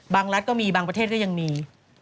รัฐก็มีบางประเทศก็ยังมี